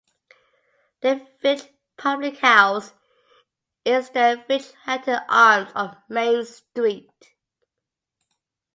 The village public house is the Finch Hatton Arms on Main Street.